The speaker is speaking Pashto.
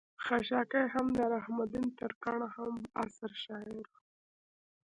خشاکے هم د رحم الدين ترکاڼ هم عصر شاعر وو